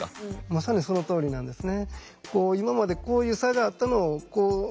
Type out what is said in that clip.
まさにそのとおりなんですね。